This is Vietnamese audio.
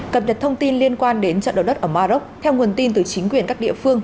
cập nhật thông tin liên quan đến trận đấu đất ở maroc theo nguồn tin từ chính quyền các địa phương